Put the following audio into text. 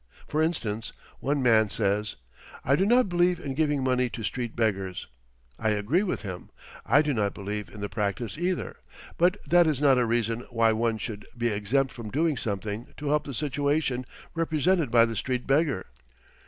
For instance, one man says: "I do not believe in giving money to street beggars." I agree with him, I do not believe in the practice either; but that is not a reason why one should be exempt from doing something to help the situation represented by the street beggar.